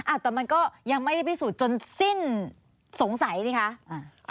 อ่ะแต่มันก็ยังไม่ได้พิสูจน์จนสิ้นสงสัยสิคะ